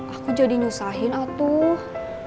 aku jadi nyusahin atuh